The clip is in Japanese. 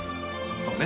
そうね